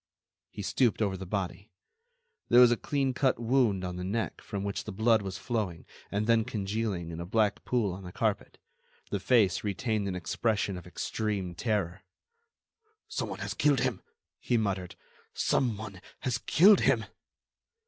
He stooped over the body. There was a clean cut wound on the neck from which the blood was flowing and then congealing in a black pool on the carpet. The face retained an expression of extreme terror. "Some one has killed him!" he muttered, "some one has killed him!"